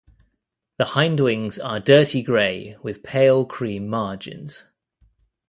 The hindwings are dirty grey with pale cream margins.